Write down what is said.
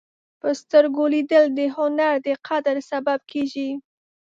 په سترګو لیدل د هنر د قدر سبب کېږي